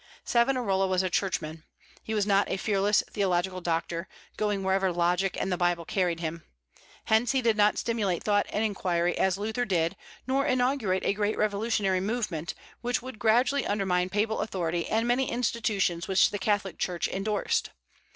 Savonarola was a churchman. He was not a fearless theological doctor, going wherever logic and the Bible carried him. Hence, he did not stimulate thought and inquiry as Luther did, nor inaugurate a great revolutionary movement, which would gradually undermine papal authority and many institutions which the Catholic Church indorsed.